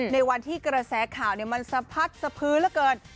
ในวันที่กระแสข่าวมันสะพัดสะพื้นเหลือเกิน